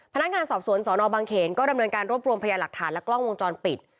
พนักงานสอบสวนสนบางเขนก็ดำเนินการรวบรวมพยาหลักฐานและกล้องวงจรปิด